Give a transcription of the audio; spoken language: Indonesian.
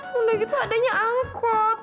bunda kita adanya angkot